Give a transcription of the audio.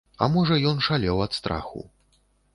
А можа ён шалеў ад страху.